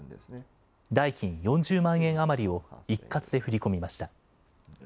代金４０万円余りを一括で振り込みました。